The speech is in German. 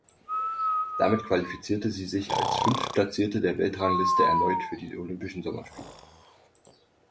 Damit qualifizierte sie sich als Fünftplatzierte der Weltrangliste erneut für die Olympischen Sommerspiele.